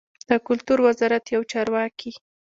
د کلتور وزارت یو چارواکي